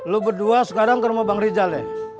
lo berdua sekarang ke rumah bang rizal ya